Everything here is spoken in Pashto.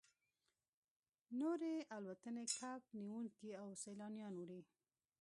نورې الوتنې کب نیونکي او سیلانیان وړي